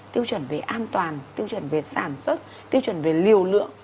tiêu chuẩn về an toàn tiêu chuẩn về sản xuất tiêu chuẩn về liều lượng